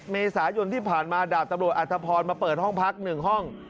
เมษายนที่ผ่านมาดาบตำรวจอัธพรมาเปิดห้องพัก๑ห้อง